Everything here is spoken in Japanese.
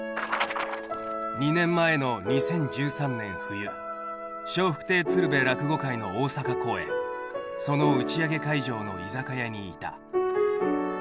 ２年前の２０１３年冬、笑福亭鶴瓶落語かいの大阪公演、その打ち上げ会場の居酒屋にいた。